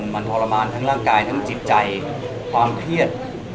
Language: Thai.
มันทรมานทั้งร่างกายทั้งจิตใจความเครียด